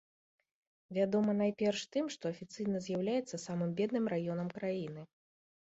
Вядомы найперш тым, што афіцыйна з'яўляецца самым бедным раёнам краіны.